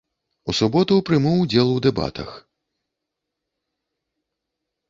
У суботу прыму ўдзел у дэбатах.